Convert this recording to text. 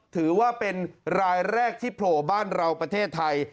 ถือว่าเป็นรายแรกที่โผล่บ้านเราประเทศไทย